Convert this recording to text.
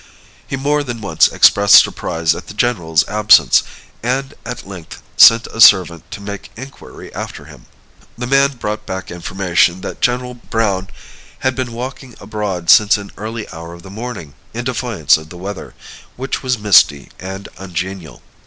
He more than once expressed surprise at the general's absence, and at length sent a servant to make inquiry after him. The man brought back information that General Browne had been walking abroad since an early hour of the morning, in defiance of the weather, which was misty and ungenial.